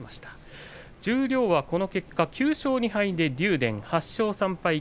十両はこの結果、９勝２敗で竜電。